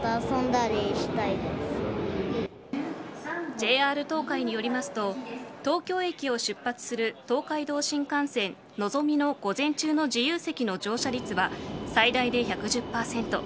ＪＲ東海によりますと東京駅を出発する東海道新幹線のぞみの午前中の自由席の乗車率は最大で１１０％